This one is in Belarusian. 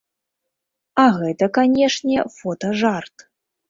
А гэта, канечне, фотажарт!